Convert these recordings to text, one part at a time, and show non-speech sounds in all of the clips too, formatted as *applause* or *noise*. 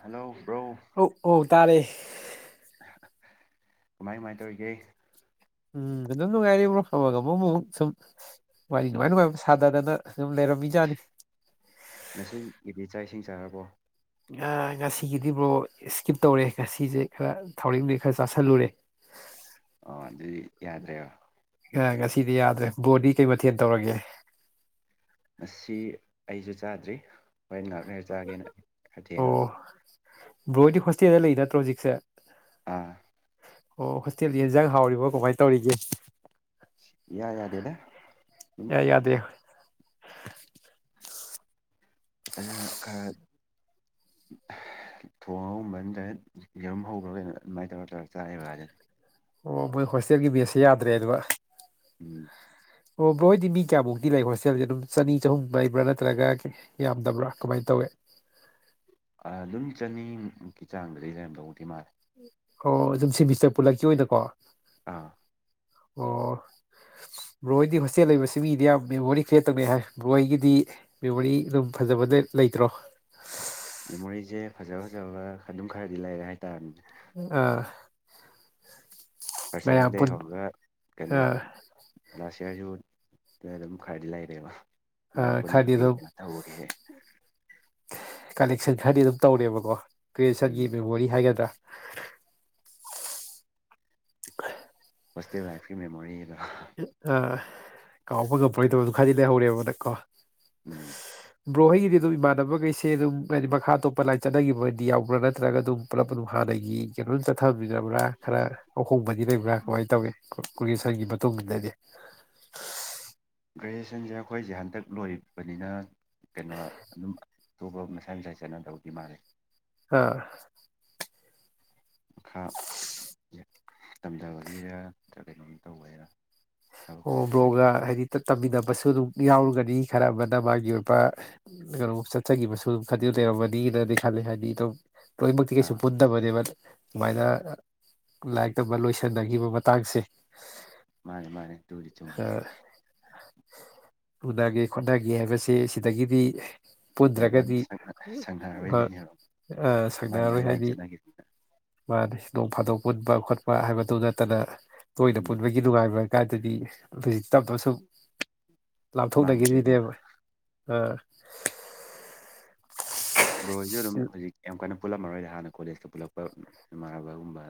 Hello bro ꯑꯧ ꯑꯧ ꯇꯥꯔꯦ ꯀꯃꯥꯏ ꯀꯃꯥꯏꯅ ꯇꯧꯔꯤꯒꯦ ꯎꯝ ꯑꯗꯨꯝ ꯅꯨꯡꯉꯥꯏꯔꯤꯕ꯭ꯔꯣ ꯑꯕ ꯑꯃꯨꯛ ꯑꯃꯨꯛ ꯁꯨꯝ ꯋꯥꯔꯤ ꯎꯝ ꯅꯨꯡꯉꯥꯏ ꯅꯨꯡꯉꯥꯏꯕ ꯊꯥꯗꯗꯅ ꯑꯗꯨꯝ ꯂꯩꯔꯝꯃꯤꯖꯥꯠꯅꯤ ꯉꯁꯤ ꯏꯗꯤ ꯆꯥꯛ ꯏꯁꯤꯡ ꯆꯥꯔꯕꯣ ꯉꯁꯤꯒꯤꯗꯤꯕ꯭ꯔꯣ ꯏꯁꯀꯤꯞ ꯇꯧꯔꯦ ꯉꯁꯤꯁꯦ ꯈꯔ ꯊꯥꯎꯔꯦꯛ ꯅꯨꯌꯦꯛ ꯈꯔ ꯆꯥꯥꯁꯜꯂꯨꯔꯦ ꯑ ꯑꯗꯨꯗꯤ ꯌꯥꯗ꯭ꯔꯦꯕ ꯑ ꯉꯁꯤꯗꯤ ꯌꯥꯗ꯭ꯔꯦ ꯕꯣꯗꯤ ꯀꯩ ꯃꯊꯦꯜ ꯇꯧꯔꯒꯦ ꯃꯁꯤ ꯑꯩꯁꯨ ꯆꯥꯗ꯭ꯔꯤ ꯍꯣꯔꯦꯟ ꯉꯥꯛꯍꯥꯛ ꯂꯩꯔ ꯆꯥꯒꯦꯅ ꯈꯔꯊꯦꯡꯅ ꯕ꯭ꯔꯣ ꯍꯣꯏꯗꯤ ꯍꯣꯁꯇꯦꯜꯗ ꯂꯩ ꯅꯠꯇ꯭ꯔꯣ ꯍꯧꯖꯤꯛꯁꯦ ꯑꯥ ꯑꯣ ꯍꯣꯁꯇꯦꯜꯗꯤ ꯌꯦꯟꯖꯥꯡ ꯍꯥꯎꯔꯤꯕꯣ ꯀꯃꯥꯏꯅ ꯇꯧꯔꯤꯒꯦ ꯢꯌꯥ ꯌꯥꯔ ꯗꯦꯗ ꯢꯌꯥ ꯌꯥꯗꯦ ꯑꯗꯨꯅ ꯈꯔ ꯊꯣꯡ ꯑꯒꯨꯝꯕ ꯑꯝꯗ ꯌꯦꯔꯨꯝ ꯍꯧꯕ꯭ꯔꯥ ꯀꯩꯅꯣ ꯑꯗꯨꯃꯥꯏꯅ ꯇꯧꯔꯒ ꯇꯧꯔꯒ ꯆꯥꯏꯑꯦꯕꯀꯗꯨꯗꯤ ꯑꯣ ꯃꯣꯏ ꯍꯣꯁꯇꯦꯜꯒꯤ ꯃꯦꯁꯁꯦ ꯌꯥꯗ꯭ꯔꯦ ꯑꯗꯨꯃꯛ ꯎꯝ ꯑꯣ ꯕ꯭ꯔ ꯍꯣꯏꯗꯤ ꯃꯤ ꯀꯌꯥꯃꯨꯛꯇꯤ ꯂꯩ ꯍꯣꯁꯇꯦꯜꯁꯦ ꯑꯗꯨꯝ ꯆꯅꯤ ꯆꯍꯨꯝ ꯂꯩꯕ꯭ꯔꯥ ꯅꯠꯇ꯭ꯔꯒ ꯌꯥꯝꯗꯕ꯭ꯔꯥ ꯀꯃꯥꯏꯅ ꯇꯧꯋꯤ ꯑ ꯑꯗꯨꯝ ꯆꯅꯤꯃꯨꯛꯀꯤ ꯆꯥꯡꯗꯗꯤ ꯂꯩꯔꯝ ꯇꯧꯗꯤ ꯃꯥꯜꯂꯦ ꯑꯣ ꯑꯗꯨꯝ ꯁꯤꯃꯤꯇꯔ ꯄꯨꯜꯂꯛꯀꯤ ꯑꯣꯏꯅꯀꯣ ꯑꯥ ꯑꯣ ꯕꯣꯔ ꯍꯣꯏꯗꯤ ꯍꯣꯁꯇꯦꯜ ꯂꯩꯕꯁꯤ ꯃꯤꯗꯤ ꯌꯥꯝ ꯃꯦꯃꯣꯔꯤ ꯀ꯭ꯔꯤꯌꯦꯠ ꯇꯧꯅꯩ ꯍꯥꯏ ꯕꯣꯏꯍꯣꯏꯒꯤꯗꯤ ꯃꯦꯃꯣꯔꯤ ꯑꯗꯨꯝ ꯐꯖꯕꯗ ꯂꯩꯇ꯭ꯔꯣ ꯃꯦꯃꯣꯔꯤꯁꯦ ꯐꯖ ꯐꯖꯕ ꯑꯗꯨꯝ ꯈꯔꯗꯤ ꯂꯩꯔꯦ ꯍꯥꯏꯇꯥꯔꯅꯦ ꯑ ꯄꯥꯔꯁꯦꯟꯗꯒꯤ ꯄꯨꯟ ꯍꯧꯔꯒ ꯀꯩꯅꯣ ꯑꯥ ꯂꯥꯁ ꯏꯌꯥꯔ ꯁꯤꯕꯎ ꯑꯗꯨꯝ ꯈꯔꯏꯗꯤ ꯂꯩꯔꯦꯕ ꯑ ꯃꯌꯥꯝ ꯈꯔꯗꯤ ꯄꯨꯟꯕꯒꯤ ꯑꯗꯨꯝ ꯀꯩꯅꯣ ꯇꯧꯈꯤꯍꯦ ꯀꯂꯦꯛꯁꯟ ꯈꯔꯗꯤ ꯑꯗꯨꯝ ꯇꯧꯔꯦꯕꯀꯣ ꯎꯝ ꯀ꯭ꯔꯤꯌꯦꯁꯟꯒꯤ ꯃꯦꯃꯣꯔꯤ ꯍꯥꯏꯒꯗ꯭ꯔꯥ ꯍꯣꯁꯇꯦꯜ ꯂꯥꯏꯐꯀꯤ ꯃꯦꯃꯣꯔꯤ ꯑꯗꯣ ꯑ ꯀꯥꯎꯕ ꯉꯝꯃꯔꯣꯏꯗꯕ ꯑꯗꯨꯝ ꯈꯔꯗꯤ ꯂꯩ ꯍꯧꯔꯦꯕꯅ ꯀꯣ ꯎꯝ ꯕ꯭ꯔꯣꯍꯣꯏꯒꯤꯗꯤ ꯑꯗꯨꯝ ꯏꯃꯥꯟꯅꯕꯈꯩꯁꯦ ꯑꯗꯨꯝ ꯍꯥꯏꯗꯤ ꯃꯈꯥ ꯑꯣꯞꯄ ꯂꯥꯏꯔꯤꯛ ꯆꯠꯅꯈꯤꯕꯗꯤ ꯌꯥꯎꯕ꯭ꯔꯥ ꯅꯠꯇ꯭ꯔꯒ ꯑꯗꯨꯝ ꯄꯨꯜꯂꯞ ꯑꯗꯨꯝ ꯍꯥꯟꯅꯒꯤ ꯀꯩꯅꯣꯝ ꯆꯠꯊꯕꯤꯕ꯭ꯔꯥ ꯈꯔ ꯑꯍꯣꯡꯕꯗꯤ ꯂꯩꯕ꯭ꯔꯥ ꯀꯃꯥꯏꯅ ꯇꯧꯏ ꯀꯨꯁꯟꯒꯤ ꯇꯨꯝꯗꯒꯤ ꯒ꯭ꯔꯦꯖꯨꯌꯦꯁꯟꯁꯦ ꯑꯩꯈꯣꯏꯁꯦ ꯍꯟꯗꯛ ꯂꯣꯏꯕꯅꯤꯅ ꯀꯩꯅꯣ ꯑꯗꯨꯝ ꯑꯇꯣꯞꯄ ꯃꯁꯥꯏ ꯃꯁꯥꯏ ꯆꯠꯅꯗꯧꯗꯤ ꯃꯥꯜꯂꯦ ꯑꯥ ꯃꯈꯥ ꯇꯝꯊꯕꯒꯤꯔ ꯅꯠꯇ꯭ꯔꯒ ꯀꯩꯅꯣꯝ ꯇꯧꯕꯒꯤꯔ ꯑꯣ ꯕ꯭ꯔꯣꯒ ꯍꯥꯏꯗꯤ ꯇ ꯇꯝꯃꯤꯟꯅꯕꯁꯨ ꯑꯗꯨꯝ ꯌꯥꯎꯔꯒꯅꯤ ꯈꯔ ꯑꯃꯅ ꯃꯥꯒꯤ ꯑꯣꯏꯕ ꯀꯩꯅꯣꯝ ꯆꯠꯆꯒꯤꯈꯤꯕꯁꯨ ꯑꯗꯨꯝ ꯈꯗꯤ ꯂꯩꯔꯝꯃꯅꯤꯅꯗꯤ ꯈꯜꯂꯤ ꯍꯥꯏꯗꯤ ꯑꯗꯨꯝ ꯂꯣꯏꯅꯃꯛꯇꯤ ꯀꯩꯁꯨ ꯑꯥ ꯄꯨꯟ ꯐꯠꯇꯕꯅꯦꯕ ꯁꯨꯃꯥꯏꯅ ꯂꯥꯏꯔꯤꯛ ꯇꯝꯕ ꯂꯣꯏꯁꯟꯅꯈꯤꯕ ꯃꯇꯥꯡꯁꯦ ꯃꯥꯅꯦ ꯃꯥꯅꯦ ꯑꯗꯨꯕꯨꯗꯤ ꯆꯨꯝꯃꯤ ꯎꯅꯒꯦ ꯈꯣꯠꯅꯒꯦ ꯍꯥꯏꯕꯁꯦ ꯁꯤꯗꯒꯤꯗꯤ ꯌꯥꯝ ꯀꯟꯅ ꯄꯨꯟꯗ꯭ꯔꯒꯗꯤ ꯁꯪꯅꯔꯣꯏꯗꯣꯏꯅꯦꯕ ꯑꯥ ꯃꯥꯏ ꯃꯥꯏ ꯁꯥꯡꯅꯔꯔꯣꯏ ꯂꯥꯏꯟ ꯍꯥꯏꯗꯤ ꯆꯠꯅꯈꯤꯕꯅꯤꯅ ꯃꯥꯅꯤ ꯅꫭꯡ ꯐꯥꯗꯣꯛ ꯄꯨꯟꯕ ꯈꯣꯠꯄ ꯍꯥꯏꯕꯗꯨ ꯅꯠꯇꯅ ꯇꯣꯏꯅ ꯎꯝ ꯄꯨꯟꯕꯒꯤ ꯅꯨꯡꯉꯥꯏꯕ ꯀꯥꯏꯗꯗꯤ ꯍꯧꯖꯤꯛ ꯇꯥꯞ ꯇꯥꯞꯅ ꯁꯨꯝ ꯃꯥꯡꯈꯤꯗꯣꯏꯅꯦꯕ ꯂꯥꯞꯊꯣꯛꯅꯈꯤꯔꯤꯅꯦꯕ ꯍꯥꯢꯗꯤ ꯕ꯭ꯔꯣꯁꯨ ꯑꯗꯨꯝ ꯍꯧꯖꯤꯛ ꯌꯥꯝ ꯀꯟꯅ ꯄꯨꯜꯂꯝꯃꯔꯣꯏꯗ ꯍꯥꯟꯅ ꯀꯣꯂꯦꯖꯇ ꯄꯨꯜꯂꯛꯄ ꯅꯃꯥꯟꯅꯕꯒꯨꯝꯕ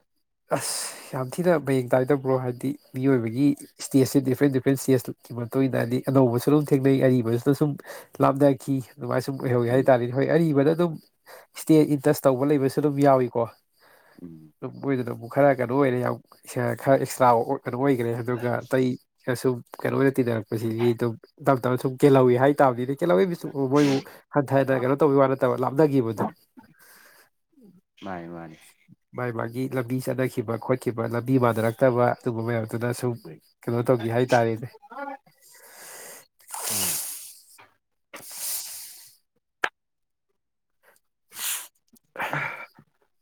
ꯑꯁ ꯌꯥꯝ ꯊꯤꯅ ꯃꯌꯦꯡ ꯇꯥꯏꯗ ꯕ꯭ꯔꯣ ꯍꯥꯏꯕꯗꯤ ꯃꯤꯑꯣꯏꯕꯒꯤ ꯏꯁꯇꯦꯖꯁꯤ ꯗꯤꯐ꯭ꯔꯦꯟ ꯗꯤꯐ꯭ꯔꯦꯟ ꯏꯁꯇꯦꯖꯀꯤ ꯃꯇꯨꯡ ꯏꯟꯅ ꯍꯥꯏꯗꯤ ꯑꯅꯧꯕꯁꯨ ꯑꯗꯨꯝ ꯊꯦꯡꯅꯩ ꯑꯔꯤꯕꯁꯨꯅ ꯁꯨꯝ ꯂꯥꯞꯅꯈꯤ ꯑꯗꯨꯃꯥꯏꯅ ꯁꯨꯝ ꯑꯣꯏꯍꯧꯋꯦ ꯎꯝ ꯍꯥꯏꯇꯥꯥꯔꯦꯗꯤ ꯍꯣꯏ ꯑꯔꯤꯕꯗ ꯑꯗꯨꯝ ꯏꯁꯇꯦꯖ ꯏꯟꯇꯔꯁ ꯇꯧꯕ ꯂꯩꯕꯁꯨ ꯑꯗꯨꯝ ꯌꯥꯎꯏꯀꯣ ꯎꯝ ꯑꯗꯨꯝ ꯃꯣꯏꯗꯨꯅ ꯑꯃꯨꯛ ꯈꯔ ꯀꯩꯅꯣ ꯑꯣꯏꯔꯦ ꯌꯥꯝ ꯈꯔ ꯑꯦꯛꯁꯇ꯭ꯔꯥ ꯀꯩꯅꯣ ꯑꯣꯏꯈ꯭ꯔꯦ ꯑꯗꯨꯒ ꯑꯇꯩꯅ ꯁꯨꯝ ꯀꯩꯅꯣ ꯑꯣꯏꯅ ꯇꯤꯟꯅꯔꯛꯄꯁꯤꯗꯤ ꯑꯗꯨꯝ ꯇꯥꯞ ꯇꯥꯞꯅ ꯁꯨꯝ ꯀꯦꯜꯍꯧꯋꯤ ꯍꯥꯏ ꯇꯥꯕꯅꯤꯅꯦ ꯀꯦꯜꯍꯧꯋꯤ ꯃꯤꯟꯁ ꯃꯣꯏꯕꯨ ꯍꯟꯊꯅ ꯀꯩꯅꯣ ꯇꯧꯕꯒꯤ ꯋꯥ ꯅꯠꯇꯕ ꯂꯥꯞꯅꯈꯤꯕꯗꯨ ꯃꯥꯅꯤ ꯃꯥꯅꯤ ꯃꯥꯒꯤ ꯃꯥꯒꯤ ꯂꯝꯕꯤ ꯆꯠꯅꯈꯤꯕ ꯈꯣꯠꯈꯤꯕ ꯂꯝꯕꯤ ꯃꯥꯟꯅꯔꯛꯇꯕ ꯑꯗꯨꯒꯨꯝꯝꯕ ꯃꯌꯥꯝꯗꯨꯅ ꯁꯨꯝ ꯀꯩꯅꯣ ꯇꯧꯒꯦ ꯍꯥꯏꯇꯥꯔꯦꯅꯦ ꯎꯝ *inaudible* *inaudible* *inaudible*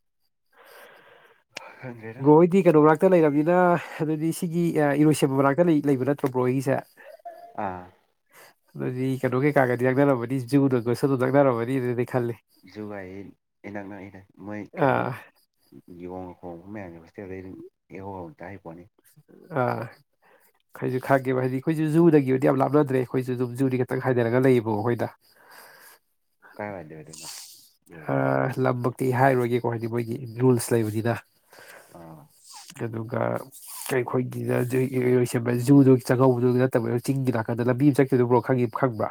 ꯈꯪꯗ꯭ꯔꯦꯗ ꯕ꯭ꯔꯣ ꯍꯣꯏꯗꯤ ꯀꯩꯅꯣ ꯃꯅꯥꯛꯇ ꯂꯩꯔꯕꯅꯤꯅ ꯑꯗꯨꯗꯤ ꯁꯤꯒꯤ ꯏꯔꯣꯏꯁꯦꯝꯕ ꯃꯅꯥꯛꯇ ꯂꯩꯕ ꯅꯠꯇ꯭ꯔꯣ ꯕ꯭ꯔꯣ ꯍꯣꯏꯒꯤꯁꯦ ꯑꯥ ꯑꯗꯨꯗꯤ ꯀꯩꯅꯣ ꯀꯩꯀꯥꯒꯗꯤ ꯅꯥꯛꯅꯔꯝꯃꯅꯤ ꯖꯨ ꯀꯥꯁꯨ ꯅꯛꯅꯔꯝꯃꯅꯤ ꯈꯜꯂꯦ ꯖꯨ ꯍꯥꯢꯁꯤ ꯏꯅꯛ ꯅꯛꯏꯗ ꯃꯣꯏ ꯀꯩꯅꯣ ꯑꯥ ꯌꯣꯡꯒ ꯈꯣꯡꯉꯥꯛꯕ ꯃꯌꯥꯝꯁꯦ ꯍꯣꯢꯇꯦꯟ ꯗꯩ ꯑꯗꯨꯝ ꯢꯍꯣ ꯍꯣꯅ ꯑꯗꯨꯝ ꯇꯥꯔꯤꯄꯣꯠꯅꯤ ꯑꯥ ꯑꯩꯁꯨ ꯈꯪꯉꯦꯕ ꯍꯥꯏꯗꯤ ꯑꯩꯈꯣꯏꯁꯨ ꯖꯨꯗꯒꯤꯕꯨꯗꯤ ꯌꯥꯝ ꯂꯥꯞꯅꯗ꯭ꯔꯦ ꯑꯩꯈꯣꯏꯁꯨ ꯑꯗꯨꯝ ꯖꯨꯗꯒꯤ ꯈꯤꯇꯪ ꯍꯥꯏꯗꯔꯒ ꯂꯩꯌꯦꯕ ꯑꯩꯈꯣꯏꯅ *inaudible* ꯑꯣꯏꯗꯣꯏꯅꯣ ꯍꯥ ꯑꯣꯏꯗꯣꯏꯕ ꯂꯥꯝꯃꯛ ꯇꯤ ꯍꯥꯏꯔꯣꯏꯒꯦꯀꯣ ꯍꯥꯏꯗꯤ ꯃꯣꯏꯒꯤ ꯔꯨꯜꯁ ꯂꯩꯕꯅꯤꯅ ꯑꯥ ꯑꯗꯨꯗꯨꯒ ꯑꯩꯈꯣꯏꯒꯤꯗꯔ ꯢꯔꯣꯢꯁꯦꯝꯕ ꯖꯨꯗꯒꯤ ꯆꯥꯛꯉꯧꯕꯗꯨ ꯅꯠꯇꯕ ꯆꯤꯡꯒꯤ ꯅꯥꯀꯟꯗ ꯂꯝꯕꯤ ꯑꯃ ꯆꯥꯠ *unintelligible* ꯈꯪꯗꯤ ꯈꯪꯕ꯭ꯔꯥ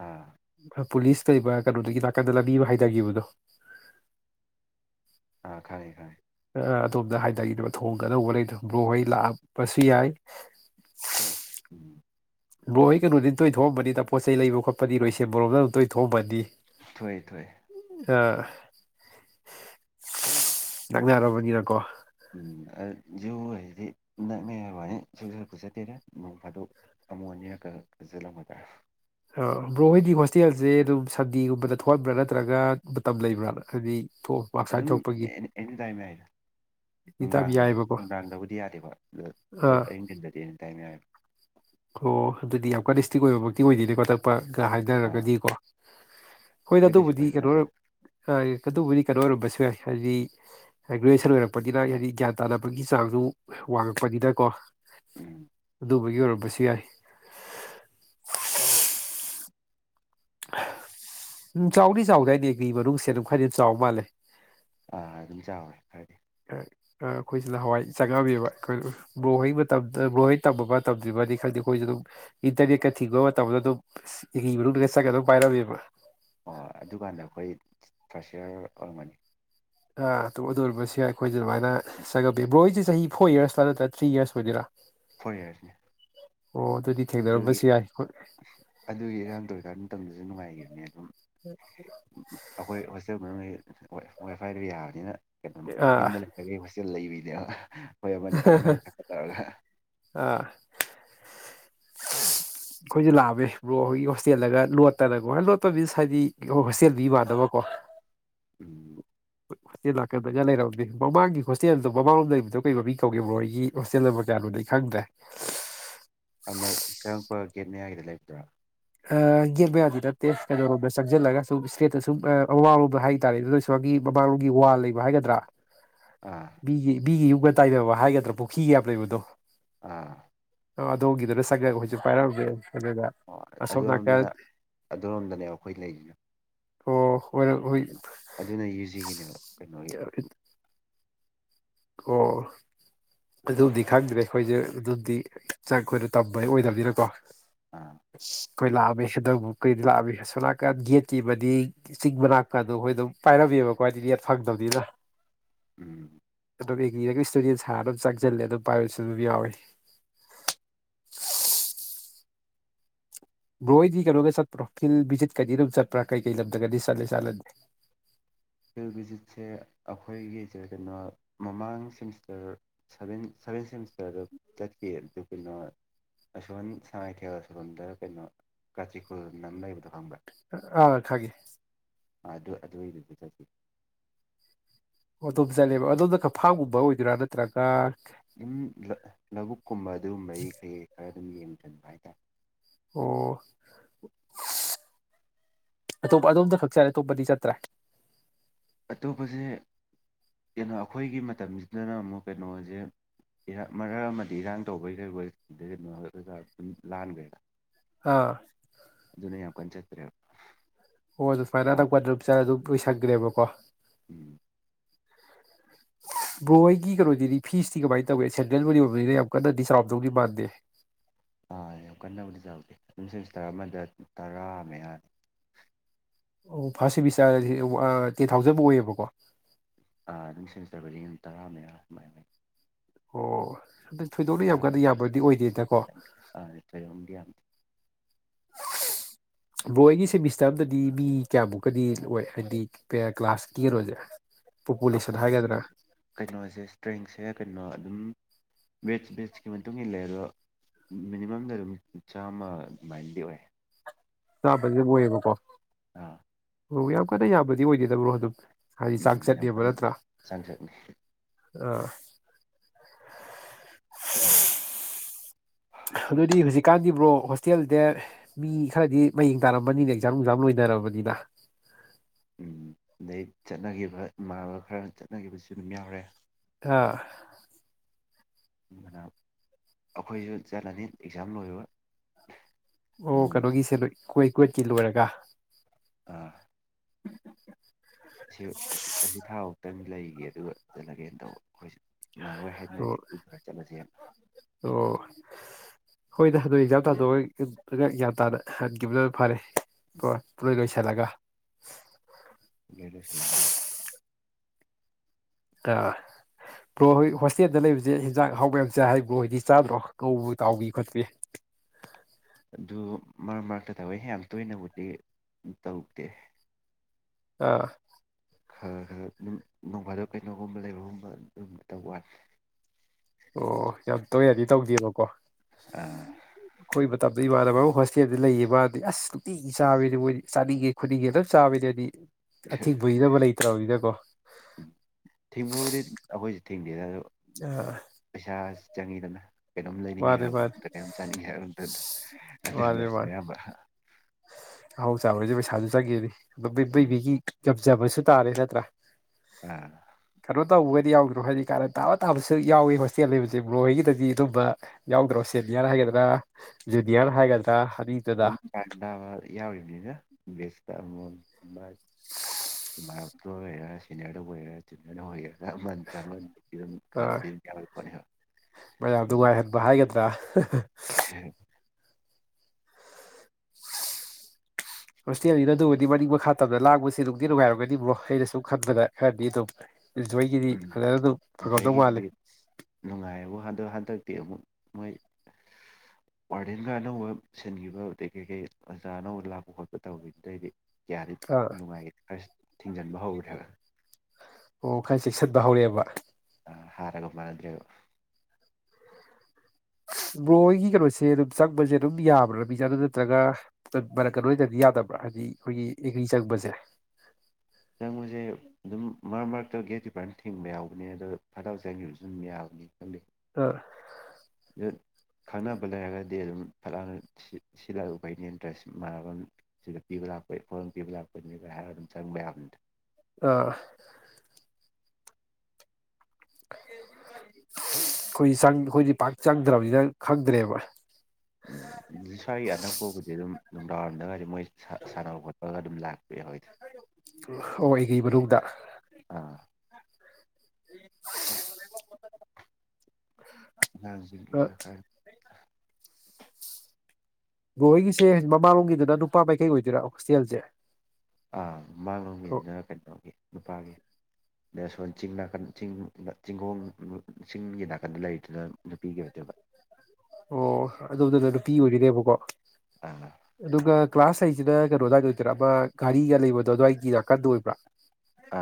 ꯑꯥ ꯄꯨꯂꯤꯁ ꯂꯩꯕ ꯀꯩꯅꯣꯗꯒꯤ ꯅꯥꯀꯟꯗ ꯂꯝꯕꯤ ꯑꯃ ꯍꯥꯏꯗꯈꯤꯕꯗꯣ ꯑꯥ ꯈꯪꯉꯦ ꯈꯪꯉꯦ ꯑꯗꯣꯝꯗ ꯍꯥꯏꯗꯈꯤꯗꯨꯢꯕ ꯊꯣꯡꯒ ꯑꯅꯧꯕ ꯂꯩꯕ ꯕ꯭ꯔꯣꯍꯣꯏ ꯂꯥꯛꯑꯕꯁꯨ ꯌꯥꯏ ꯎꯝ ꯕ꯭ꯔꯣ ꯍꯣꯏ ꯀꯩꯅꯣꯗꯤ ꯇꯣꯏ ꯊꯣꯛꯑꯝꯕꯅꯤꯗ ꯄꯣꯠ ꯆꯩ ꯂꯩꯕ ꯈꯣꯠꯄꯅꯤ ꯏꯔꯣꯢꯁꯦꯝꯕꯔꯣꯝꯗ ꯑꯗꯨꯝ ꯇꯣꯏ ꯊꯣꯛꯑꯝꯃꯅꯤ ꯊꯣꯛꯑꯦ ꯊꯣꯛꯑꯦ ꯍꯣꯏ ꯅꯛꯅꯔꯕꯅꯤꯅꯀꯣ ꯎꯝ ꯑ ꯖꯤꯎ ꯍꯥꯏꯖꯤꯗꯤ ꯅꯛꯅꯩ ꯍꯥꯏꯕꯋꯥꯅꯦ ꯁꯨꯛꯆꯠꯄꯨ ꯆꯠꯇꯦꯗ ꯅꯣꯡ ꯐꯗꯣꯛ ꯑꯃꯨꯛ ꯑꯅꯤꯔꯛꯀꯥ ꯖꯠꯂꯝꯃꯗ꯭ꯔ ꯑ ꯕ ꯭ꯔꯣ ꯍꯣꯏꯗꯤ ꯍꯣꯁꯇꯦꯜꯁꯦ ꯑꯗꯨꯝ ꯁꯟꯗꯦꯒꯨꯝꯕꯗ ꯊꯣꯛꯍꯟꯕ꯭ꯔꯥ ꯅꯠꯇ꯭ꯔꯒ ꯃꯇꯝ ꯂꯩꯕ꯭ꯔꯥꯕ ꯍꯥꯏꯗꯤ ꯊꯣ ꯑꯗꯨꯝ ꯑꯦ ꯑꯦꯅꯤ ꯇꯥꯏꯝ ꯌꯥꯏꯗ ꯏꯇꯥꯝ ꯅꯨꯡꯗꯥꯡꯗ ꯌꯥꯏꯑꯕꯀꯣ ꯅꯨꯡꯗꯥꯡꯗꯕꯨꯗꯤ ꯌꯥꯗꯦꯕ ꯑꯗꯣ ꯑꯥ ꯑꯇꯣꯞꯄ ꯑꯌꯨꯛ ꯅꯨꯡꯊꯤꯟꯗꯗꯤ ꯑꯦꯅꯤ ꯇꯥꯏꯝ ꯌꯥꯏꯕ ꯑꯣ ꯑꯗꯨꯗꯤ ꯌꯥꯝ ꯀꯟꯅ ꯗꯤ ꯏꯁꯇꯤꯛ ꯑꯣꯏꯕ ꯃꯛꯇꯤ ꯑꯣꯏꯗꯦꯅꯦꯀꯣ ꯇꯛꯄꯒ ꯑꯥ ꯍꯥꯏꯅꯔꯒꯗꯤꯀꯣ ꯍꯣꯏꯗ ꯏꯁꯇ꯭ꯔꯤꯛ ꯀꯩꯁꯨ ꯑꯗꯨꯕꯨꯗꯤ ꯑꯣꯏꯕ ꯀꯩꯅꯣ ꯅꯠꯇꯦꯗ ꯑ ꯑꯗꯨꯕꯨꯗꯤ ꯀꯩꯅꯣ ꯑꯣꯏꯔꯝꯕꯁꯨ ꯌꯥꯏ ꯍꯥꯏꯗꯤ ꯒ꯭ꯔꯦꯖꯨꯑꯌꯦꯁꯟ ꯑꯣꯏꯔꯛꯄꯅꯤꯅ ꯍꯥꯏꯗꯤ ꯒ꯭ꯌꯥꯟ ꯇꯥꯅꯕꯒꯤ ꯆꯥꯡꯁꯨ ꯋꯥꯡꯉꯛꯄꯅꯤꯅꯀꯣ ꯎꯝ ꯑꯗꯨꯕꯨꯒꯤ ꯑꯣꯏꯔꯝꯕꯁꯨ ꯌꯥꯏ ꯎꯝ ꯆꯥꯎꯗꯤ ꯆꯥꯎꯗꯥꯏꯅꯦꯒꯤ ꯃꯅꯨꯡꯁꯦ ꯑꯗꯨꯝ ꯈꯔꯗꯤ ꯑꯗꯨꯝ ꯆꯥꯎ ꯃꯥꯜꯂꯦ ꯑꯥ ꯑꯗꯨꯝ ꯆꯥꯎꯔꯦ ꯈꯔꯗꯤ ꯍꯥ ꯍꯥ ꯑꯩꯈꯣꯏꯁꯨ ꯅꯍꯋꯥꯏ ꯆꯪꯉꯛꯑꯃꯃꯦꯕꯥ ꯑꯩꯈꯣꯏ ꯕꯣꯍꯩ ꯃꯇꯝꯗ ꯕꯣꯍꯩ ꯇꯝꯕ ꯃꯇꯝꯗꯨꯃꯗꯤ ꯈꯪꯗꯦ ꯑꯩꯈꯣꯏꯁꯨ ꯗꯨꯝ ꯏꯟꯇꯔꯅꯦꯠꯀ ꯊꯤꯡꯕ ꯃꯇꯝꯗ ꯑꯗꯨꯝ ꯏꯤꯒꯤ ꯃꯅꯨꯡꯗꯒ ꯆꯪꯉꯥꯒ ꯑꯗꯨꯝ ꯄꯥꯏꯔꯝꯃꯦꯕ ꯍꯣꯌ ꯑꯗꯨꯀꯥꯟꯗ ꯑꯩꯈꯣꯏ ꯐꯥꯔꯁ ꯏꯌꯔ ꯑꯣꯏꯔꯝꯒꯅꯤ ꯑꯥ ꯇꯧꯒꯗꯧꯔꯤꯕꯁꯦ ꯑꯩꯈꯣꯏꯁꯦ ꯗꯨꯃꯥꯏꯅ ꯆꯪꯉꯕꯗꯤ ꯕꯣꯏ ꯁꯦ ꯆꯍꯤ ꯐꯣꯔ ꯏꯌꯔꯁꯇꯥ ꯅꯠꯇ꯭ꯔ ꯊ꯭ꯔꯤ ꯏꯌꯔꯁ ꯑꯣꯏꯗꯣꯏꯔꯥ? ꯐꯣꯔ ꯏꯌꯔꯁꯅꯦ꯫ ꯑꯣ ꯑꯗꯨꯗꯤ ꯑꯗꯨꯒꯤ ꯊꯦꯡꯅꯔꯝꯕꯁꯨ ꯌꯥꯏ ꯍꯣꯏ ꯑꯗꯨꯒꯤ ꯏꯔꯥꯡ ꯇꯧꯔꯤꯀꯥꯟ ꯃꯇꯝꯗꯨꯁꯨ ꯅꯨꯡꯉꯥꯏꯈꯤꯕꯅꯦ ꯑꯗꯨꯝ ꯎꯝ ꯑꯩꯈꯣꯏ ꯍꯣꯁꯇꯦꯜ ꯃꯅꯨꯡꯗ ꯋꯥꯏ ꯐꯥꯏꯗ ꯌꯥꯕꯅꯤꯅ ꯀꯝ ꯑꯥ ꯌꯨꯝꯗ ꯂꯩ ꯑꯗꯩꯩ ꯍꯣꯁꯇꯦꯜ ꯂꯩꯕꯤꯅꯦꯕ ꯈꯣꯏ ꯑꯃꯅꯤ ꯑꯃꯅꯤ ꯊꯛꯇ ꯇꯧꯔꯒ ꯑꯥ *inaudible* ꯑꯩꯈꯣꯏꯁꯨ ꯂꯥꯛꯑꯝꯃꯦ ꯕ꯭ꯔꯣ ꯍꯣꯏꯒꯤ ꯍꯣꯁꯇꯦꯜꯗꯒ ꯂꯣꯠꯇꯅꯀꯣ ꯂꯣꯠꯄ ꯃꯤꯟꯁ ꯍꯥꯏꯗꯤ ꯍꯣꯁꯇꯦꯜꯗꯨꯏ ꯃꯥꯟꯅꯕꯀꯣ ꯎꯝ ꯍꯣꯇꯦꯜ ꯅꯥꯀꯟꯗꯒ ꯂꯩꯔꯝꯃꯤ ꯃꯃꯥꯡꯒꯤ ꯍꯣꯁꯇꯦꯜꯗꯣ ꯃꯃꯥꯡꯂꯣꯝ ꯂꯩꯕꯗꯣ ꯀꯩ ꯃꯃꯤꯡ ꯀꯧꯒꯦ ꯕ꯭ꯔꯣ ꯍꯣꯏꯒꯤ ꯍꯣꯁꯇꯦꯜ ꯅꯝꯕꯔ ꯀꯌꯥꯅꯣ ꯗꯨꯗꯤ ꯈꯪꯗ꯭ꯔꯦ ꯑꯃ ꯆꯪꯉꯛꯄ ꯒꯦꯠ ꯃꯌꯥꯒꯤꯗ ꯂꯩꯕꯗꯨꯔꯣ ꯑ ꯒꯦꯠ ꯃꯌꯥꯗꯤ ꯅꯠꯇꯦ ꯀꯩꯅꯣꯔꯣꯝꯗ ꯆꯪꯁꯤꯜꯂꯒ ꯁꯨꯝ ꯏꯁꯇꯦꯠꯇ ꯁꯨꯝ ꯑ ꯑꯋꯥꯡꯔꯣꯝꯗ ꯍꯥꯏ ꯇꯥꯔꯦ ꯑꯗꯨ ꯇꯣꯒꯤ ꯃꯃꯥꯡꯂꯣꯝꯒꯤ ꯋꯥꯜ ꯂꯩꯕ ꯍꯥꯏꯒꯗ꯭ꯔꯥ ꯑꯥ ꯃꯤꯒꯤ ꯃꯤꯒꯤ ꯌꯨꯝꯒ ꯇꯥꯏꯅꯕ ꯍꯥꯏꯒꯗ꯭ꯔꯥ ꯄꯨꯈ꯭ꯔꯤ ꯌꯥꯝ ꯂꯩꯕꯗꯣ ꯑꯥ ꯑ ꯑꯗꯣꯝꯒꯤꯗꯨꯅ ꯆꯪꯉꯒ ꯍꯧꯖꯤꯛ ꯄꯥꯏꯔꯝꯃꯦ ꯑꯗꯨꯒ ꯑꯣ ꯑꯁꯣꯝ ꯑꯗꯨꯔꯣꯝꯗꯅ ꯅꯥꯀꯟ ꯑꯗꯨꯔꯣꯝꯗꯅꯦꯕ ꯑꯩꯈꯣꯏ ꯂꯩꯔꯤꯖꯦ ꯑꯣ ꯈꯣꯏꯅ__ ꯑ ꯑꯗꯨꯅ ꯌꯨ ꯖꯤꯒꯤꯅꯦꯕ ꯀꯩꯅꯣꯒꯤ ꯑꯣ ꯑꯗꯨꯕꯨꯗꯤ ꯈꯪꯗ꯭ꯔꯦ ꯑꯩꯈꯣꯏꯁꯨ ꯑꯗꯨꯗꯤ ꯆꯪꯈꯣꯏꯅ ꯇꯝ__ ꯕ ꯑꯣꯏꯗꯕꯅꯤꯅꯀꯣ ꯑꯥ ꯏꯁ ꯑꯩꯈꯣꯏ ꯂꯥꯛꯑꯝꯃꯤ ꯍꯟꯗꯛꯃꯨꯛ ꯈꯣꯏ ꯂꯥꯛꯑꯝꯃꯤ ꯑꯁꯣꯝꯅꯥꯛꯀꯟ ꯒꯦꯠꯀꯤ ꯃꯅꯤꯡ ꯆꯤꯡ ꯃꯅꯥꯛꯀꯥꯗꯨ ꯑꯩꯈꯣꯏ ꯑꯗꯨꯝ ꯄꯥꯏꯔꯝꯃꯦꯕꯀꯣ ꯍꯥꯏꯗꯤ ꯅꯦꯠ ꯐꯪꯗꯕꯅꯤꯅ ꯎꯝ ꯑꯗꯨꯒ *unintelligible* ꯁ꯭ꯇꯨꯗꯤꯟ ꯁꯥꯔ ꯑꯗꯨꯝ ꯆꯪꯖꯤꯜꯂꯦ ꯑꯗꯨꯝ ꯄꯥꯏꯕꯁꯨ ꯗꯨꯝ ꯌꯥꯎꯋꯤ ꯕ꯭ꯔꯣ ꯍꯣꯏꯗꯤ ꯀꯩꯅꯣꯒ ꯆꯠꯄ꯭ꯔꯣ ꯐꯤꯜ ꯚꯤꯖꯤꯠ ꯀꯗꯤ ꯑꯗꯨꯝ ꯆꯠꯄ꯭ꯔꯥ ꯀꯩ ꯀꯩ ꯂꯝꯗꯒꯗꯤ ꯆꯠꯂꯤ ꯆꯠꯂꯗꯤ ꯐꯤꯜ ꯚꯤꯖꯤꯠꯁꯦ ꯑꯩꯈꯣꯏꯒꯤꯖ‌ꯦ ꯀꯩꯅꯣ ꯃꯃꯥꯡ ꯁꯦꯃꯤꯁꯇꯔ ꯁꯚꯦꯟ ꯁꯚꯦꯟ ꯁꯦꯃꯤꯁꯇꯔꯗ ꯆꯠꯈꯤ ꯑꯗꯨ ꯀꯩꯅ‌ꯣ ꯑꯁꯣꯟ ꯁꯉꯥꯏꯊꯦꯜ ꯑꯁꯣꯔꯣꯝꯗ ꯀꯩꯅꯣ ꯀꯥꯆꯤ ꯈꯨꯨꯜꯅ ꯑꯃ ꯂꯩꯕꯗꯣ ꯈꯪꯕ꯭ꯔ ꯑꯥ ꯈꯪꯉꯦ ꯑ ꯑꯗꯨ ꯑꯗꯨꯏꯗꯨꯗ ꯆꯠꯈꯤ ꯑꯣ ꯑꯗꯣꯝ ꯆꯠꯂꯦꯕ ꯑꯗꯣꯝꯗꯀꯥ ꯐꯥ꯭ꯔꯝꯒꯨꯝꯕ ꯑꯣꯏꯗꯣꯏꯔꯥ ꯅꯠꯇ꯭ꯔꯒ ꯎꯝ ꯂ ꯂꯧꯕꯨꯛꯀꯨꯝꯕ ꯑꯗꯨꯒꯨꯝꯕꯩ ꯀꯩꯀꯩ ꯈꯔ ꯑꯗꯨꯝ ꯌꯦꯡꯖꯟꯕ ꯍꯥꯏꯇꯥꯏ ꯑꯣ *unintelligible* ꯑꯇꯣꯞꯄ ꯑꯗꯣꯝꯗ ꯈꯛ ꯆꯠꯂꯦ ꯑꯇꯣꯞꯄꯗꯤ ꯆꯠꯇ꯭ꯔꯦ ꯑꯇꯣꯞꯄꯁꯦ ꯀꯩꯅꯣ ꯑꯩꯈꯣꯏꯒꯤ ꯃꯇꯝꯖꯤꯗꯅ ꯑꯃꯨꯛ ꯀꯩꯅꯣꯖ‌ꯦ ꯏꯔꯥ ꯃꯔꯛ ꯑꯃꯗꯤ ꯏꯔꯥꯡ ꯇꯧꯕꯩ ꯀꯩꯕꯣꯏ *unintelligible* ꯑꯗꯨꯝ ꯂꯥꯟꯒ꯭ꯔꯦ ꯑꯥ ꯑꯗꯨꯅ ꯌꯥꯝ ꯀꯟ ꯆꯠꯇ꯭ꯔꯦꯕ ꯑꯣ ꯑꯗꯨ ꯁ꯭ꯋꯥꯏꯅ ꯍꯥꯞꯄ ꯑꯅꯛꯄ ꯗꯨꯝ ꯆꯠꯂ ꯑꯗꯨꯝ ꯂꯣꯏꯁꯟꯒ꯭ꯔꯦꯕꯀꯣ ꯎꯝ ꯕ꯭ꯔꯣ ꯍꯣꯏꯒꯤ ꯀꯩꯅꯣꯗꯗꯤ ꯐꯤꯁꯇꯤ ꯀꯃꯥꯏꯟ ꯇꯧꯒꯦ ꯁꯦꯟꯇ꯭ꯔꯦꯜ ꯕꯨꯗꯤ ꯑꯣꯏꯕꯅꯤꯅ ꯌꯥꯝ ꯀꯟꯅꯗꯤ ꯆꯥꯎꯔꯝꯗꯧꯗꯤ ꯃꯥꯟꯗꯦ ꯑꯥ ꯌꯥꯝ ꯀꯟꯅꯕꯨꯗꯤ ꯆꯥꯎꯗꯦ ꯑꯗꯨꯝ ꯁꯦꯃꯦꯁꯇꯔ ꯑꯃꯗ ꯇꯔꯥ ꯃꯌꯥ ꯑꯣ ꯐꯥ꯭ꯔꯁ ꯁꯦꯃꯤꯁꯇꯔꯒꯖꯤ ꯑꯥ ꯇꯦꯟ ꯊꯥꯎꯖꯟ ꯃꯨꯛ ꯑꯣꯏꯌꯦꯕꯀꯣ ꯑ ꯑꯗꯨꯝ ꯁꯦꯃꯤꯁꯇꯔ ꯈꯨꯗꯤꯡ ꯇꯔꯥ ꯃꯌꯥꯥ ꯑꯗꯨꯃꯥꯏ ꯑꯣꯏ ꯑꯣ ꯑꯗꯣ ꯊꯣꯏꯗꯣꯛꯅ ꯌꯥꯝ ꯇꯔꯥ ꯀꯟꯅ ꯌꯥꯝꯕꯗꯤ ꯑꯣꯏꯗꯦꯗꯥꯀꯣ ꯑꯥ ꯊꯣꯏꯗꯣꯛꯅꯗꯤ ꯌꯥꯝꯗꯦ *inaudible* ꯕ꯭ꯔꯣ ꯍꯣꯏꯒꯤ ꯁꯦꯃꯤꯁꯇꯔ ꯑꯝꯗꯗꯤ ꯃꯤ ꯀꯌꯥꯃꯨꯛꯀꯗꯤ ꯑꯣꯏ ꯍꯥꯏꯗꯤ ꯄꯦꯌꯥ ꯀ꯭ꯂꯥꯁꯀꯤ ꯀꯩꯅꯣꯖꯦ ꯑꯩꯈꯣꯏ ꯀꯩꯅꯣꯖ‌ꯦ ꯏꯁꯇ꯭ꯔꯦꯡꯁꯦ ꯀꯩꯅꯣ ꯑꯗꯨꯝ ꯕꯦꯆ ꯕꯦꯆꯀꯤ ꯃꯇꯨꯡ ꯏꯜꯂꯦ ꯑꯗꯣ ꯃꯤꯅꯤꯃꯝꯗ ꯑꯗꯨꯝ ꯆꯥꯝꯃ ꯑꯗꯨꯃꯥꯏꯅꯗꯤ ꯑꯣꯏ ꯆꯥꯝꯃꯁꯦ ꯑꯝ ꯑꯣꯏꯕꯀꯣ ꯑꯥ ꯑꯣ ꯌꯥꯝ ꯀꯟꯅ ꯌꯥꯝꯕꯗꯤ ꯑꯣꯏꯗꯦꯗ ꯕ꯭ꯔꯣ ꯑꯗꯨꯝ ꯍꯥꯏꯗꯤ ꯎꯝ ꯌꯥꯝ ꯆꯥꯡꯆꯠꯅꯦꯕ ꯀꯟꯅ ꯅꯠꯇ꯭ꯔꯥ ꯆꯥꯡꯆꯠꯅꯤ ꯑꯥ ꯑꯗꯨꯗꯤ ꯍꯨꯖꯤꯛꯀꯥꯟꯗꯤ ꯕ꯭ꯔꯣ ꯍ‌ꯣꯁ ꯇꯦꯜꯗ ꯃꯤ ꯈꯔꯗꯤ ꯃꯌꯦꯡ ꯇꯥꯔꯝꯃꯅꯤꯅꯦ ꯑꯦꯛꯖꯥꯝ ꯅꯨꯡꯖꯥꯝ ꯂꯣꯏꯅꯔꯕꯅꯤꯅ ꯎꯝ ꯑꯗꯩ ꯆꯠꯅꯒꯤꯕ ꯏꯃꯥꯟꯅꯕ ꯈꯔ ꯆꯠꯅꯒꯤꯕꯁꯨ ꯑꯗꯨꯝ ꯌꯥꯎꯔꯦ ꯑꯥ ꯃꯤ ꯐꯟꯌꯥꯝ ꯑꯩꯈꯣꯏꯁꯨ ꯆꯠꯂꯅꯤ ꯑꯦꯛꯖꯥꯝ ꯂꯣꯏꯕꯒ ꯑꯣ ꯅꯣꯡꯃ ꯅꯨꯡꯁꯤ ꯀꯩꯅꯣꯒꯤꯁꯦ ꯂꯣꯏ ꯀ꯭ꯨꯋꯦ ꯀ꯭ꯨꯋꯦꯠꯀꯤ ꯂꯣꯏꯔꯒ ꯑꯥ *unintelligible* ꯁꯤ ꯑꯁꯤ ꯑꯁꯤ ꯊꯥꯃꯨꯇꯪꯗꯤ ꯂꯩꯒꯤꯒꯦ ꯑꯗꯨꯒ ꯆꯠꯂꯒꯦꯅ ꯇꯧꯕ ꯑꯩꯈꯣꯏꯁꯨ ꯏꯃꯥꯟ ꯍ‌ꯣꯏ ꯑꯣ ꯍꯥꯏꯅꯔ‌ꯦ ꯑꯗꯨ ꯂ‌ꯣꯏꯔ ꯆꯠꯂꯁꯦꯟ ꯑꯣ ꯍꯣꯏꯗꯥ ꯑꯗꯨ ꯑꯦꯛꯖꯥꯝ ꯇꯥꯟꯗꯣꯛꯑ ꯒ *unintelligible* ꯒ꯭ꯌꯥꯟ ꯇꯥꯅ ꯍꯟꯈꯤꯝꯅꯥ ꯐꯔꯦ ꯄ꯭ꯔ‌ꯣꯇꯨ ꯂ‌ꯣꯏꯁꯜꯂꯒꯥ ꯂꯣꯏꯁꯜꯂꯛꯑ *inaudible* ꯕ꯭ꯔꯣ ꯍꯣꯏ ꯍꯣꯁꯇꯦꯜꯗ ꯂꯩꯕꯁꯦ ꯍꯦꯟꯖꯥꯡ ꯑꯍꯥꯎꯕ ꯌꯥꯝ ꯆꯥꯏ ꯍꯥꯏ ꯕ꯭ꯔꯣ ꯍꯣꯏꯗꯤ ꯆꯥꯗ꯭ꯔꯣ ꯉꯧꯕꯣ ꯇꯥꯎꯕꯤ ꯈꯣꯠꯄꯤ ꯑꯗꯨ ꯃꯔꯛ ꯃꯔꯛꯇ ꯇꯧꯋꯦꯍꯦ ꯌꯥꯝ ꯇꯣꯏꯅꯕꯨꯗꯤ ꯇꯧꯗꯦ ꯑꯥ ꯈꯔ ꯈꯔ ꯑꯗꯨꯝ ꯅꯣꯡꯐꯥꯗꯣꯛ ꯀꯩꯅꯣꯒꯨꯝꯕ ꯂꯩꯕꯒꯨꯝꯕ ꯑꯗꯨꯝ ꯇꯧꯕ ꯋꯥꯅꯦ ꯑꯣ ꯌꯥꯝ ꯇꯣꯏꯅꯗꯤ ꯇꯧꯗꯦꯕꯀꯣ ꯑꯥ ꯑꯩꯈꯣꯏ ꯃꯇꯝꯗ ꯏꯃꯥꯟꯅꯕꯃꯥ ꯍꯣꯁꯇꯦꯜꯗ ꯂꯩꯌꯦ ꯃꯥꯗꯤ ꯑꯁ ꯅꯨꯡꯇꯤ ꯆꯥꯕꯤꯅꯦ ꯃꯣꯏꯗꯤ ꯆꯥꯅꯤꯡꯉꯦ ꯈꯨꯗꯤꯡꯒꯤ ꯑꯗꯨꯝ ꯆꯥꯕꯤꯗꯨꯗꯤ ꯑꯊꯤꯡ ꯕꯤꯅꯕ ꯂꯩꯇ꯭ꯔꯥꯕꯅꯤꯅꯀꯣ ꯎꯝ ꯊꯤꯡꯕꯕꯨꯗꯤ ꯑꯩꯈꯣꯏꯁꯦ ꯊꯤꯡꯗꯦꯗ ꯑꯗꯣ ꯑꯥ ꯄꯩꯁꯥ ꯆꯪꯉꯤꯗꯅ ꯀꯩꯅꯣꯝ ꯂꯩꯅꯤꯡꯉꯦ ꯃꯥꯅꯦ ꯍꯥꯏꯕ ꯃꯥꯅꯦ ꯃꯇꯝꯗ ꯀꯩꯅꯣꯝ ꯆꯥꯅꯤꯡꯉꯦ ꯍꯥꯏꯕ ꯃꯇꯝꯗ ꯃꯥꯅꯦ ꯑꯗꯨꯗꯁꯨ ꯃꯥꯅꯦ ꯑꯌꯥꯝꯕ ꯑꯍꯥꯎ ꯆꯥꯕꯁꯦ ꯄꯩꯁꯥꯁꯨ *inaudible* ꯎꯝ ꯃꯤꯃꯤꯒꯤ ꯉꯝꯖꯕꯁꯨ ꯇꯥꯔꯦ ꯅꯠꯇ꯭ꯔꯥ ꯑꯥ ꯀꯩꯅꯣ ꯇꯧꯕꯒꯗꯤ ꯌꯥꯎꯗ꯭ꯔꯣ ꯍꯥꯏꯗꯤ ꯀꯥꯔꯟ ꯇꯥꯕ ꯇꯥꯕꯁꯨ ꯌꯥꯎꯏ ꯍꯣꯁꯇꯦꯜ ꯂꯩꯕꯁꯦ ꯕ꯭ꯔꯣ ꯍꯣꯏꯒꯤꯗꯗꯤ ꯑꯗꯨꯝꯕ ꯌꯥꯎꯗ꯭ꯔꯣ ꯁꯦꯅꯤꯌꯔ ꯍꯥꯏꯒꯗ꯭ꯔꯥ ꯖꯨꯅꯤꯌꯔ ꯍꯥꯏꯒꯗ꯭ꯔꯥ ꯍꯥꯏꯗꯤ ꯑꯗꯨꯝ ꯀꯥꯔꯟ ꯇꯥꯕ ꯌꯥꯎꯔꯤꯃꯤꯗ ꯕꯦꯁꯇ ꯑꯃꯝ ꯏꯃꯥꯟꯅꯞꯇꯥ ꯑꯣꯏꯒꯦꯔꯥ ꯁꯦꯅꯤꯌꯔꯗꯕꯨ ꯑꯣꯏꯒꯦꯔꯥ ꯖꯨꯅꯤꯌꯔꯗ ꯑꯣꯏꯒꯦꯔꯥ *inaudible* ꯑꯗꯨꯝ ꯑ ꯈꯔꯗꯤ ꯌꯥꯎꯔꯄꯅꯦꯕ ꯃꯌꯥꯝ ꯅꯨꯡꯉꯥꯏꯍꯟꯕ ꯍꯥꯏꯒꯗ꯭ꯔꯥ *unintelligible* ꯍꯣꯁꯇꯦꯜꯅꯤꯅ ꯑꯗꯨꯕꯨꯗꯤ ꯃꯅꯤꯡ ꯃꯈꯥ ꯇꯝꯅ ꯂꯥꯡꯕꯁꯤ ꯅꯨꯡꯗꯤ ꯅꯨꯡꯉꯥꯏꯔꯝꯒꯅꯤ ꯕ꯭ꯔꯣ ꯑꯩꯅ ꯁꯨꯝ ꯈꯟꯕꯗ ꯈꯔꯗꯤ ꯑꯗꯨꯝ ꯏꯟꯖꯣꯏꯒꯤꯗꯤ ꯎꯝ ꯐꯖꯅ ꯑꯗꯨꯝ ꯐꯪꯉꯝꯗꯧ ꯏꯟꯖꯣꯏꯒꯤꯕꯨꯗꯤ ꯃꯥꯜꯂꯤ ꯅꯨꯡꯉꯥꯏꯕꯨ ꯑꯟꯗꯨ ꯍꯟꯗꯛꯇꯤ ꯑꯃꯨꯛ ꯃꯣꯏ ꯋꯥꯔꯗꯦꯟꯒ ꯑꯅꯧꯕ ꯁꯤꯟꯈꯤꯕ ꯑꯗꯩ ꯀꯩ ꯀꯩ ꯑꯣꯖꯥ ꯑꯅꯧꯕ ꯂꯥꯛꯄ ꯈꯣꯠꯄ ꯇꯧꯋꯤ ꯑꯇꯩꯗꯤ ꯀꯌꯥꯗꯤ ꯑꯥ ꯅꯨꯡꯉꯥꯏꯒꯔꯦ ꯈꯔꯁ ꯊꯤꯡꯖꯤꯟꯕ ꯍꯧꯔꯦꯕ ꯑꯣ ꯈꯔꯥ ꯆꯦꯛꯁꯟꯕ ꯍꯧꯔꯛꯑꯦꯕ ꯑꯥ ꯍꯥꯟꯅꯒ ꯃꯥꯟꯅꯗ꯭ꯔꯦꯕ ꯕ꯭ꯔꯣ ꯍꯣꯏꯒꯤ ꯀꯩꯅꯣꯁꯦ ꯑꯗꯨꯝ ꯆꯪꯕꯁꯦ ꯑꯗꯨꯝ ꯌꯥꯕ꯭ꯔꯥ ꯃꯤꯁꯦ ꯑꯗꯨ ꯅꯠꯇ꯭ꯔꯥꯒ *inaudible* ꯅꯣꯏꯗꯗꯤ ꯌꯥꯗꯕ꯭ꯔꯥ ꯍꯥꯏꯕꯗꯤ ꯑꯩꯈꯣꯏꯒꯤ ꯑꯦꯒ꯭ꯔꯤ ꯆꯪꯕꯁꯦ ꯆꯪꯕꯖꯦ ꯑꯗꯨꯝ ꯃꯔꯛ ꯃꯔꯛꯇ ꯒꯦꯠ ꯀꯤꯄꯔꯅ ꯊꯤꯡꯕ ꯌꯥꯎꯕꯅꯦ ꯑꯗꯣ ꯐꯠꯂꯥꯎ ꯆꯥꯒꯤꯕꯁꯨ ꯑꯗꯨꯝ ꯌꯥꯕꯅꯤ ꯈꯪꯗꯦ ꯑꯥ *unintelligible* ꯈꯪꯅꯕ ꯂꯩꯔꯒꯗꯤ ꯑꯗꯨꯝ ꯐꯠꯂꯥꯎꯅ ꯁꯤꯜ ꯁꯤꯜꯂꯛꯂꯨꯕꯩꯅꯦ ꯏꯟꯇ꯭ꯔꯦꯁ ꯃꯥꯟꯅꯕꯝ ꯁꯤꯗ ꯄꯤꯕ ꯂꯥꯛꯄ ꯄꯣꯠꯑꯝ ꯄꯤꯕ ꯂꯥꯛꯄꯅꯤꯒ ꯍꯥꯏꯔꯒ ꯑꯗꯨꯝ ꯆꯪꯕ ꯌꯥꯕꯅꯤꯗ ꯑꯥ ꯑꯩꯈꯣꯏꯗꯤ ꯆꯪ ꯑꯩꯈꯣꯏꯗꯤ ꯄꯥꯛ ꯆꯪꯗ꯭ꯔꯝꯅꯤꯅ ꯈꯪꯗ꯭ꯔꯦꯕ ꯎꯝ ꯁ꯭ꯋꯥꯏꯒꯤ ꯑꯅꯛꯄꯕꯨꯗꯤ ꯑꯗꯨꯝ ꯅꯨꯡꯗꯥꯡꯔꯝꯗꯒꯗꯤ ꯃꯣꯏ ꯁꯥꯟꯅꯕ ꯈꯣꯠꯄꯒ ꯑꯗꯨꯝ ꯂꯥꯛꯄ ꯌꯥꯎꯋꯤꯗ ꯅꯣꯏꯒꯤ ꯃꯅꯨꯡꯗ ꯑꯥ ꯉꯥꯡꯖꯤꯡ *unintelligible* ꯕ꯭ꯔꯣ ꯍꯣꯏꯒꯤꯁꯦ ꯃꯃꯥꯡꯂꯣꯝꯒꯤꯗꯨꯅ ꯅꯨꯄꯥ ꯃꯥꯏꯀꯩ ꯑꯣꯏꯗꯣꯏꯔꯥ ꯍꯣꯁꯇꯦꯜꯖꯦ ꯑꯥ ꯃꯥꯡꯂꯣꯝꯒꯤꯖꯤꯅ ꯀꯩꯅꯣꯒꯤ ꯅꯨꯄꯥꯒꯤ ꯑꯗꯩ ꯑꯁꯣꯝ ꯆꯤꯡ ꯅꯥꯀꯟ ꯆꯤꯡ ꯆꯤꯡꯒꯣꯡ ꯆꯤꯡꯒꯤ ꯅꯥꯀꯟꯗ ꯂꯩꯔꯤꯗꯨꯅ ꯅꯨꯄꯤꯒꯤ ꯑꯣꯏꯗꯣꯏꯕ ꯑꯣ ꯑꯗꯣꯝꯗꯅ ꯅꯨꯄꯤ ꯑꯣꯏꯗꯣꯏꯅꯦꯕꯀꯣ *unintelligible* ꯑꯗꯨꯒ ꯀ꯭ꯂꯥꯁ ꯂꯩꯁꯤꯅ ꯀꯩꯅꯣꯗꯥꯏꯗ ꯑꯣꯏꯗꯣꯏꯔꯥ ꯑꯃ ꯘꯥꯔꯤꯒ ꯂꯩꯕꯗꯣ ꯑꯗꯨꯋꯥꯏꯒꯤ ꯅꯀꯟꯗꯥ ꯑꯣꯏꯕ꯭ꯔꯥ ꯑꯥ